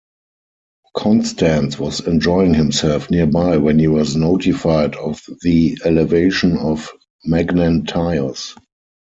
Constans was enjoying himself nearby when he was notified of the elevation of Magnentius.